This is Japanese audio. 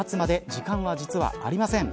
時間は実はありません。